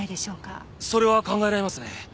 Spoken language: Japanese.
それは考えられますねえ。